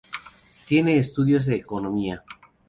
Tiene estudios de Economía.